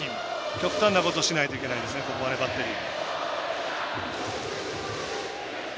極端なことをしないといけないです、ここはバッテリー。